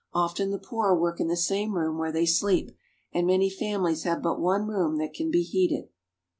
Often the poor work in the same room where they sleep, and many families have but one room that can be heated.